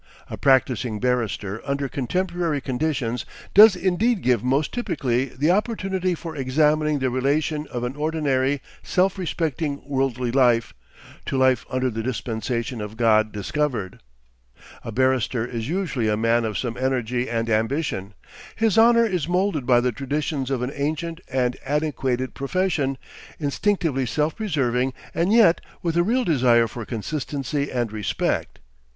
A practising barrister under contemporary conditions does indeed give most typically the opportunity for examining the relation of an ordinary self respecting worldly life, to life under the dispensation of God discovered. A barrister is usually a man of some energy and ambition, his honour is moulded by the traditions of an ancient and antiquated profession, instinctively self preserving and yet with a real desire for consistency and respect.